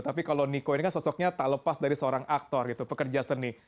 tapi kalau niko ini kan sosoknya tak lepas dari seorang aktor gitu pekerja seni